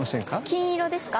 金色ですか？